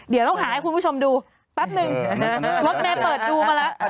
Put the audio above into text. เดี๋ยวต้องหาให้คุณผู้ชมดูแป๊บนึงรถเมย์เปิดดูมาแล้ว